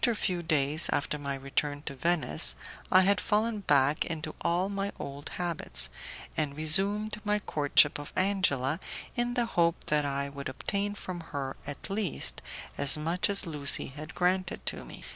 A few days after my return to Venice, I had fallen back into all my old habits, and resumed my courtship of Angela in the hope that I would obtain from her, at least, as much as Lucie had granted to me.